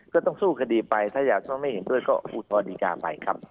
ก็ต้องสู้คดีไปถ้าอยากก็ไม่เห็นด้วยก็อุทธรณดีการ์ไปครับ